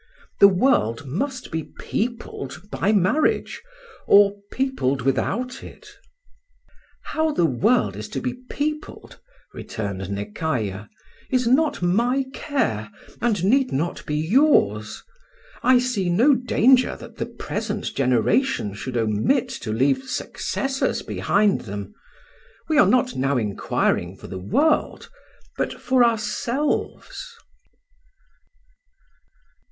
The world must be peopled by marriage or peopled without it." "How the world is to be peopled," returned Nekayah, "is not my care and need not be yours. I see no danger that the present generation should omit to leave successors behind them; we are not now inquiring for the world, but for ourselves."